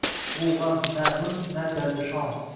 Bu g’am — na mulk, na dardi shon